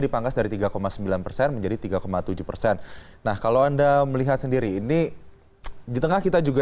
dipangkas dari tiga sembilan persen menjadi tiga tujuh persen nah kalau anda melihat sendiri ini di tengah kita juga